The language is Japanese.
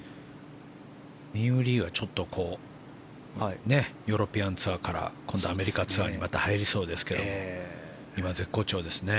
ミンウー・リーはちょっとヨーロピアンツアーから今度、アメリカツアーにまた入りそうですけど今、絶好調ですね。